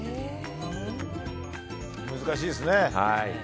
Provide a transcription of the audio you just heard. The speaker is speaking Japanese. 難しいですね。